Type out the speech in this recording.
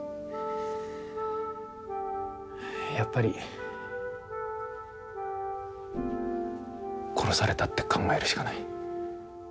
やっぱり殺されたって考えるしかない。